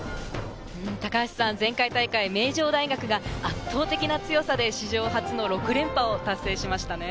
前回大会、名城大学が圧倒的な強さで史上初の６連覇を達成しましたね。